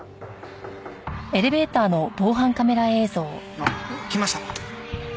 あっ！来ました。